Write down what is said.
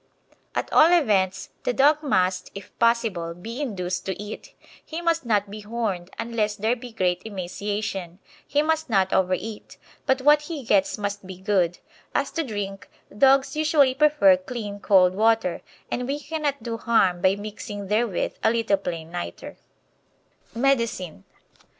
At all events, the dog must, if possible, be induced to eat; he must not be "horned" unless there be great emaciation; he must not over eat, but what he gets must be good. As to drink, dogs usually prefer clean cold water, and we cannot do harm by mixing therewith a little plain nitre. Oatmeal porridge made with milk instead of water.